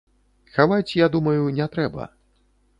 Хаваць, я думаю, не трэба.